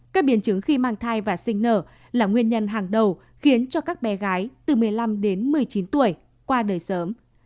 các biến chứng khi mang thai và sinh nở là nguyên nhân hàng đầu khiến cho các bé gái từ một mươi năm đến một mươi chín tuổi qua đời sớm